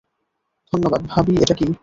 ধন্যবাদ, ভাবি এটা কি?